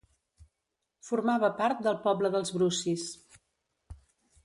Formava part del poble dels brucis.